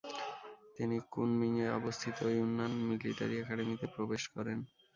তিনি কুনমিংয়ে অবস্থিত Yunnan military একাডেমিতে প্রবেশ করেন।